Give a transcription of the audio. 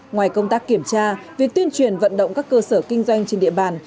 ngoài công tác kiểm tra việc tuyên truyền vận động các cơ sở kinh doanh trên địa bàn